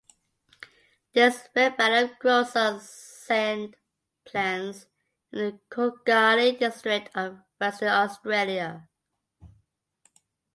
This phebalium grows on sandplains in the Coolgardie district of Western Australia.